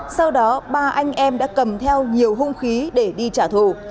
sau đó ba anh em đã cầm theo nhiều hung khí để đi trả thù